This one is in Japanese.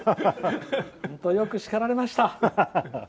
本当によくしかられました。